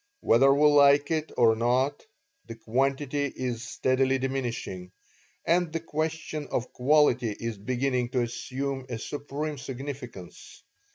Whether we like it or not, the quantity is steadily diminishing, and the question of quality is beginning to assume a supreme significance.